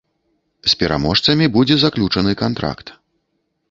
З пераможцамі будзе заключаны кантракт.